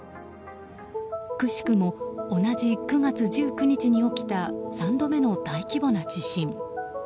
くしくも同じ９月１９日に起きた３度目の大規模な地震。